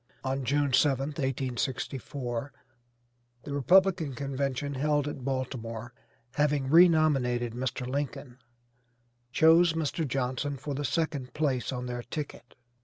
On June 7th, 1864, the Republican convention held at Baltimore, having re nominated Mr. Lincoln, chose Mr. Johnson for the second place on their ticket.